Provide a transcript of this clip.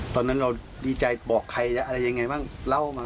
ตอนนั้นเราดีใจบอกใครอะไรยังไงบ้างเล่ามา